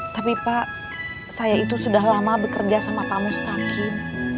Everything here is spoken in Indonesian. tapi pak saya itu sudah lama bekerja sama pak mustakim